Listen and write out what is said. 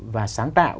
và sáng tạo